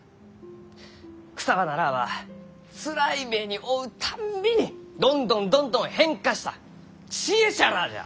草花らあはつらい目に遭うたんびにどんどんどんどん変化した知恵者らあじゃ。